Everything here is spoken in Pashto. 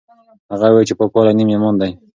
هغه وویل چې پاکوالی نیم ایمان دی.